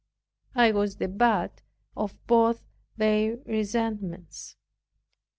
I was the butt of both their resentments.